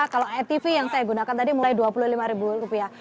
kalau atv yang saya gunakan tadi mulai rp dua puluh lima